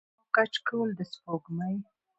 او کچکول د سپوږمۍ